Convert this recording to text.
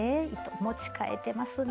持ちかえてますね。